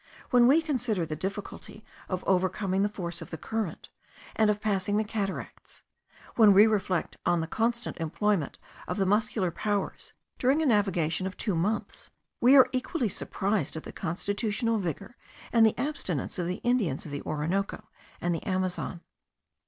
When we consider the difficulty of overcoming the force of the current, and of passing the cataracts; when we reflect on the constant employment of the muscular powers during a navigation of two months; we are equally surprised at the constitutional vigour and the abstinence of the Indians of the Orinoco and the Amazon.